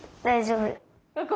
大丈夫。